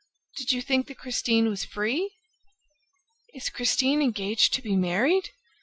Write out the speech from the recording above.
Did you think that Christine was free? ..." "Is Christine engaged to be married?"